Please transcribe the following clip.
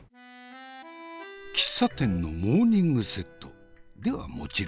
喫茶店のモーニングセットではもちろんない。